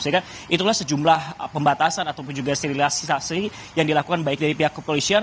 sehingga itulah sejumlah pembatasan ataupun juga sterilisasi yang dilakukan baik dari pihak kepolisian